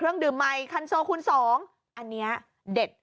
เครื่องดื่มไมคันโซคุณสองอันนี้เด็ด